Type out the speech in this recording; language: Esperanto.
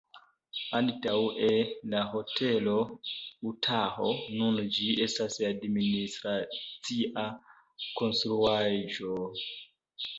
Antaŭe la Hotelo Utaho, nun ĝi estas administracia konstruaĵo.